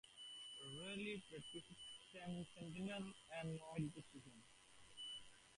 Reilly practices Transcendental Meditation.